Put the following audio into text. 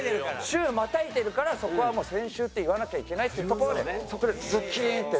週またいでるからそこはもう「先週」って言わなきゃいけないっていうところでそこでズキーンってねやっぱ。